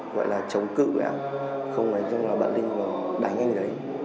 gọi là chống cự ạ không nói chung là bọn linh đánh anh ấy